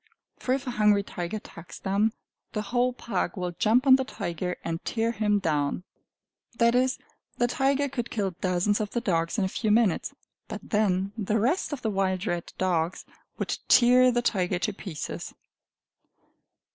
For if a hungry tiger attacks them, the whole pack will jump on the tiger and tear him down that is, the tiger could kill dozens of the dogs in a few minutes, but then the rest of the wild red dogs would tear the tiger to pieces.